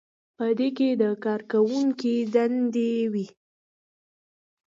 په دې کې د کارکوونکي دندې وي.